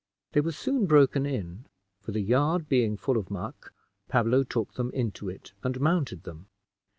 They were soon broken in; for the yard being full of muck, Pablo took them into it and mounted them.